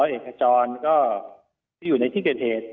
แล้วก็ทางรถเอกจรก็อยู่ในที่เกิดเหตุ